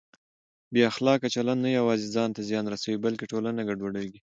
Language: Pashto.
بې اخلاقه چلند نه یوازې ځان ته زیان رسوي بلکه ټولنه ګډوډوي.